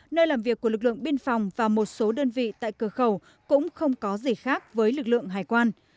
nơi làm việc của lực lượng biên phòng và một số đơn vị tại cửa khẩu cũng không có gì khác với lực lượng hải quan